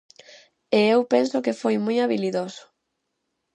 E eu penso que foi moi habilidoso.